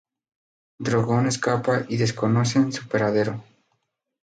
Drogon escapa y desconocen su paradero.